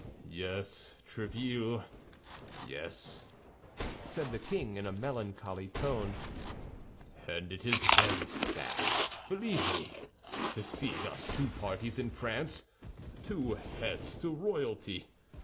"Yes, Tréville, yes," said the king, in a melancholy tone; "and it is very sad, believe me, to see thus two parties in France, two heads to royalty.